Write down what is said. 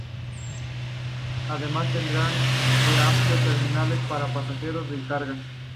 Además tendrá de amplios terminales para pasajeros y carga.